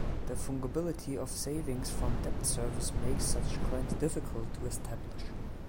The fungibility of savings from debt service makes such claims difficult to establish.